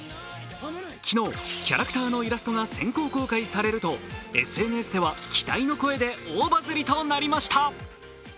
昨日キャラクターのイラストが先行公開されるとＳＮＳでは期待の声で大バズりとなりました。